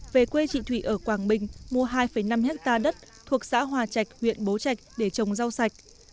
về quê chị thủy ở quảng bình mua hai năm hectare đất thuộc xã hòa trạch huyện bố trạch để trồng rau sạch